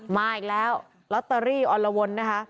มาอีกแล้วลอตเตอรี่อรวนละวน